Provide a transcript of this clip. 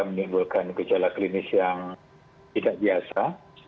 menimbulkan gejala klinis yang tidak biasa